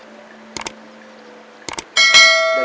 dan hidayah kepada hamba hamba yang anda dukul